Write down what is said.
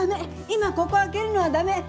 今ここを開けるのは駄目！